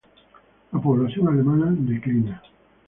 La población alemana declina.